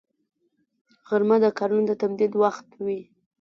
غرمه د کارونو د تمېدو وخت وي